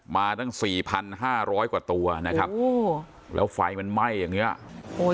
มาตั้ง๔๕๐๐กว่าตัวนะครับแล้วไฟมันไหม้อย่างเงี้ย